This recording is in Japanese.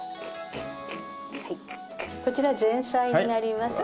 こちら前菜になります。